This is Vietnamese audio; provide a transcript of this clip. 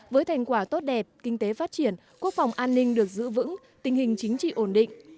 với thành quả tốt đẹp kinh tế phát triển quốc phòng an ninh được giữ vững tình hình chính trị ổn định